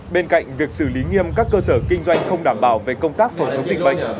bên cạnh việc xử lý nghiêm các cơ sở kinh doanh không đảm bảo về công tác phòng chống dịch bệnh